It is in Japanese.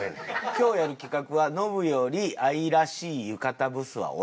今日やる企画は「ノブより愛らしい浴衣ブスはおらんのじゃ！！」